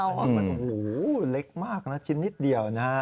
มันเล็กมากนะจิ้นนิดเดียวนะ